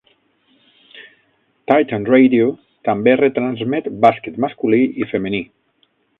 Titan Radio també retransmet bàsquet masculí i femení.